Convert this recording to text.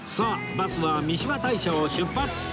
バスは三嶋大社を出発！